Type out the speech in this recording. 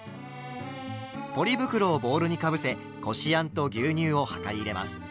ポリ袋をボウルにかぶせこしあんと牛乳を量り入れます。